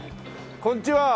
こんちは！